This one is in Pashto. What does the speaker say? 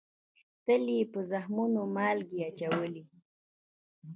تل یې په زخمونو مالگې اچولې